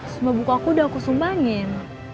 semua buku aku udah aku sumbangin